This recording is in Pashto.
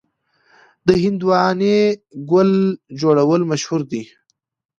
د هندواڼې ګل جوړول مشهور دي.